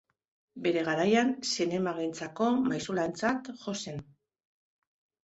Bere garaian zinemagintzako maisulantzat jo zen.